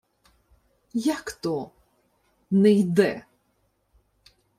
— Як то «не йде»?